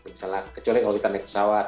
misalnya kecuali kalau kita naik pesawat